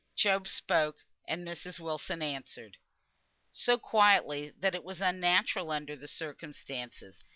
Job spoke, and Mrs. Wilson answered. So quietly, that it was unnatural under the circumstances.